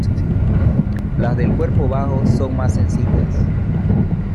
Las del cuerpo bajo son más sencillas.